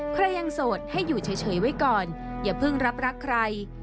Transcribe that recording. ใครยังโสดให้อยู่เฉยไว้ก่อนอย่าเพิ่งรับรักใคร